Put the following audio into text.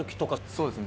そうですね。